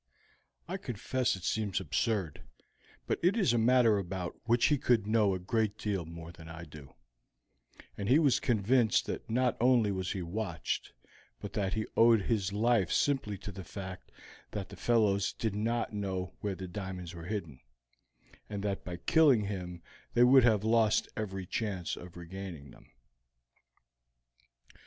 "I confess it seemed absurd, but it is a matter about which he would know a great deal more than I do, and he was convinced that not only was he watched, but that he owed his life simply to the fact that the fellows did not know where the diamonds were hidden, and that by killing him they would have lost every chance of regaining them.